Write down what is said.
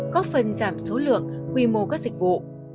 góp phần giảm số lượng quy mô các dịch vụ